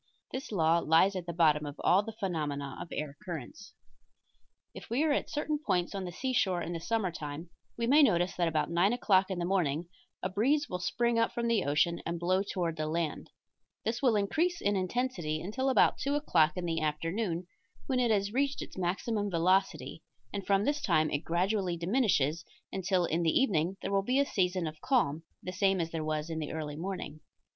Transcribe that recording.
This law lies at the bottom of all of the phenomena of air currents. If we are at certain points on the seashore in the summer time we may notice that about 9 o'clock in the morning a breeze will spring up from the ocean and blow toward the land; this will increase in intensity until about 2 o'clock in the afternoon, when it has reached its maximum velocity, and from this time it gradually diminishes, until in the evening there will be a season of calm, the same as there was in the early morning.